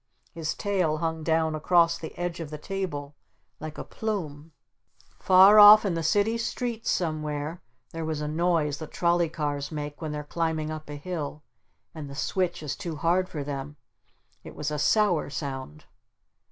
His tail hung down across the edge of the table like a plume. Far off in the city streets somewhere there was a noise that trolly cars make when they're climbing up a hill and the switch is too hard for them. It was a sour sound.